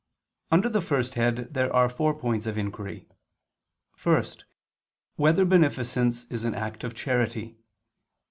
Under the first head there are four points of inquiry: (1) Whether beneficence is an act of charity?